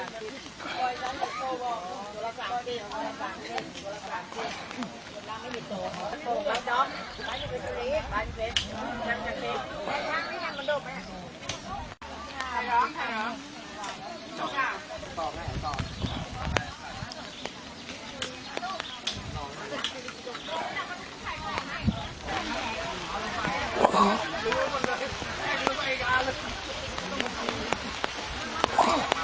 สวัสดีครับสวัสดีครับ